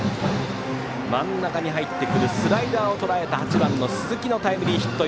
真ん中に入ってくるスライダーをとらえた８番の鈴木のタイムリーヒット。